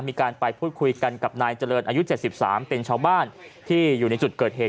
มีการไปพูดคุยกันกับนายเจริญอายุ๗๓เป็นชาวบ้านที่อยู่ในจุดเกิดเหตุ